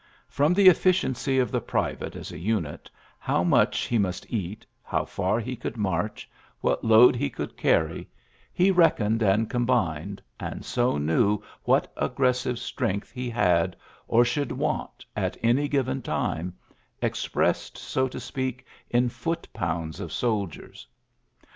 From the efficiency of the private as a unit, how much he must eat, how far he could march, what load he could carry, he reckoned and combined, and so knew what aggressive strength he had or should want at any given time, expressed so to speak in foot pounds of soldiers.